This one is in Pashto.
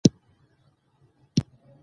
په افغانستان کې دښتې شتون لري.